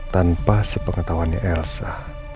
tanpa sepengetahuannya elsa